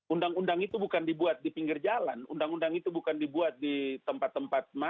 undang undang itu bukan dibuat di pinggir jalan undang undang itu bukan dibuat di tempat tempat mana